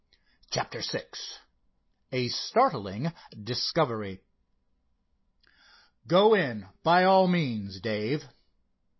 CHAPTER VI A STARTLING DISCOVERY "Go in by all means, Dave."